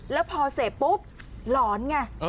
แล้วพอเสพปุ๊บหลอนไง